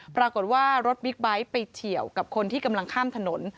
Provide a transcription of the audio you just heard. ปรากฏว่ารถบิ๊กไบท์ไปเฉียวกับคนที่กำลังข้ามถนน